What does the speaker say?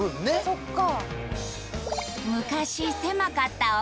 そっか。